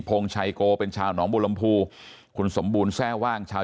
โพงชัยกโกเป็นชาวหนองบูลัมพูคุณสมบูลแซ่ว่างชาว